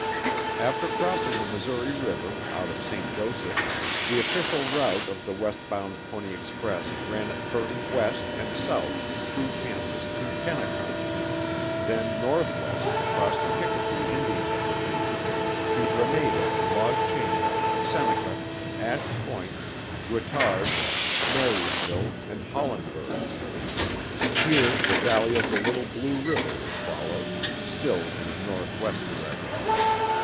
After crossing the Missouri River, out of St. Joseph, the official route of the west bound Pony Express ran at first west and south through Kansas to Kennekuk; then northwest, across the Kickapoo Indian reservation, to Granada, Log Chain, Seneca, Ash Point, Guittards, Marysville, and Hollenberg. Here the valley of the Little Blue River was followed, still in a northwest direction.